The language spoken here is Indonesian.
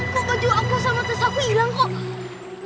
kok baju aku sama terus aku hilang kok